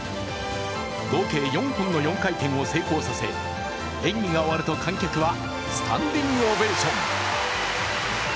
合計４本の４回転を成功させ、演技が終わると観客はスタンディングオベーション。